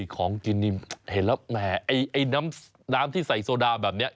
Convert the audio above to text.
ของกินนี่เห็นแล้วแหมไอ้น้ำที่ใส่โซดาแบบนี้